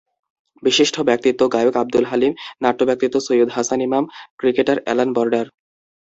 বিশিষ্ট ব্যক্তিত্ব—গায়ক আবদুল আলীম, নাট্য ব্যক্তিত্ব Syed Hasan Imam, cricketer Allan border.